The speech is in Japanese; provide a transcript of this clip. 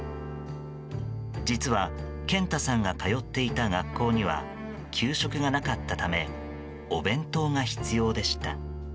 実は、健太さんが通っていた学校には給食がなかったためお弁当が必要でした。